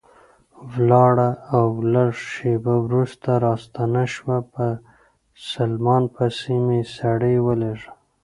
ولاړه او لږ شېبه وروسته راستنه شوه، په سلمان پسې مې سړی ولېږه.